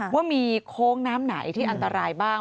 ว่ามีโค้งน้ำไหนที่อันตรายบ้าง